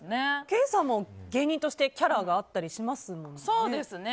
ケイさんも芸人としてキャラがあったりしますもんね。